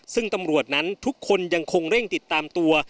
ซึ่งตำรวจนั้นทุกคนยังคงเร่งติดตามตัว